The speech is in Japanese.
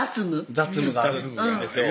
雑務があるんですよ